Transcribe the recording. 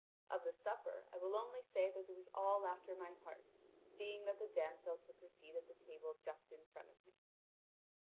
Of the supper I will only say that it was all after my heart, seeing that the damsel took her seat at the table just in front of me.